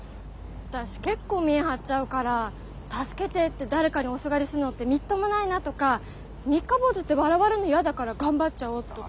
私結構見栄張っちゃうから「助けて」って誰かにおすがりするのってみっともないなとか三日坊主って笑われるの嫌だから頑張っちゃおうとか。